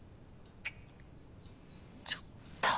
ちょっと！